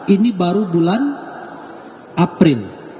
ini baru bulan april